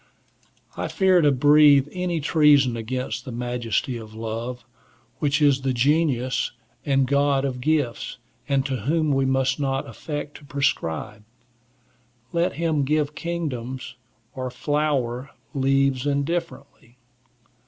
I fear to breathe any treason against the majesty of love, which is the genius and god of gifts, and to whom we must not affect to prescribe. Let him give kingdoms or flower leaves indifferently.